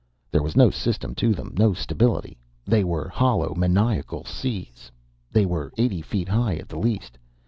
There was no system to them, no stability. They were hollow, maniacal seas. They were eighty feet high at the least.